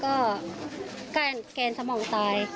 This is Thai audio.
ก็แกนสมองตาย